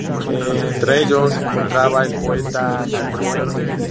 Entre ellos se encontraba el poeta Anacreonte.